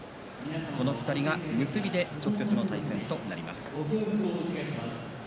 この２人が結びで直接の対戦となります。